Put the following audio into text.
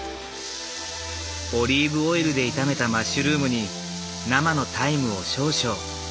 オリーブオイルで炒めたマッシュルームに生のタイムを少々。